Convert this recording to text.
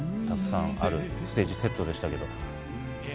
たくさんあるステージセットでしたけど。